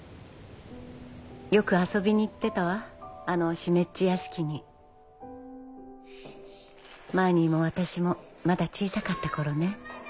よく遊びに行ってたわあの湿っ地屋敷にマーニーも私もまだ小さかった頃ね。